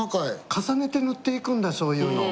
重ねて塗っていくんだそういうの。